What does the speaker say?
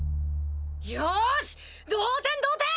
よし同点同点！